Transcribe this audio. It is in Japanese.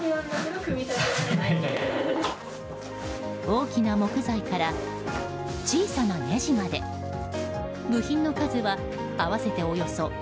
大きな木材から小さなねじまで部品の数は合わせておよそ１００個。